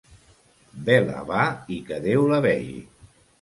Vela va i que Déu la vegi.